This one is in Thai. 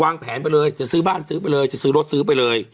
วางแผนไปเลยจะซื้อบ้านซื้อไปเลยจะซื้อรถซื้อไปเลย